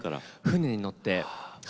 船に乗って。